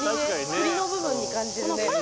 フリの部分に感じるね。